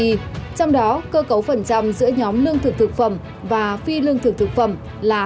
trong đó cơ cấu phần trăm giữa nhóm lương thực thực phẩm và phi lương thực thực phẩm là bốn nghìn tám trăm năm mươi hai